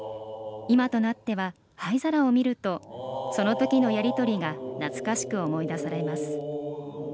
今となっては灰皿を見るとそのときのやり取りが懐かしく思い出されます。